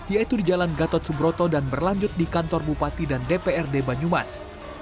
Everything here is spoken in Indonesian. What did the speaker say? yaitu di jalan gatot subroto dan berlanjut di kantor bupati dan dprd banyumas